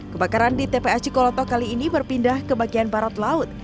kebakaran di tpa cikoloto kali ini berpindah ke bagian barat laut